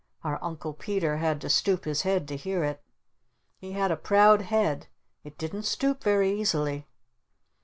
Our Uncle Peter had to stoop his head to hear it. He had a proud head. It didn't stoop very easily.